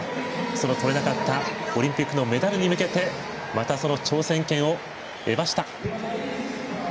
そのとれなかったオリンピックのメダルに向けてまた、挑戦権を得ました。